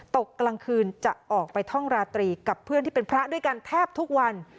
ตกกลางคืนจะออกไปท่องราตรีกับเพื่อนที่เป็นพระด้วยกันแทบทุกวัน